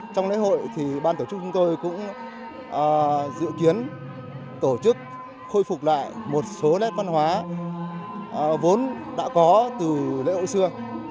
trong lễ hội thì ban tổ chức chúng tôi cũng dự kiến tổ chức khôi phục lại một số nét văn hóa vốn đã có từ lễ hội xưa